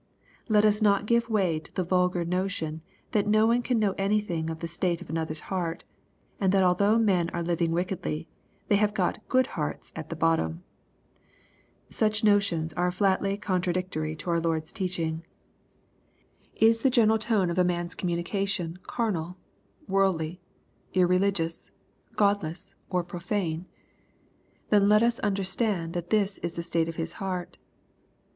Let us not give way to the vulgar notion, that no one can know anything of the state of another's heart, and that although men are living wickedly, they have got good hearts at the bottom. Such notions are flatly contradictory to our Lord's teaching. Is the general tone of a man's communication LUKE, CHAP. VI. 193 carnal, worldly, irreligious, godless, or profane ? Then let us understand that this is the state of his heart.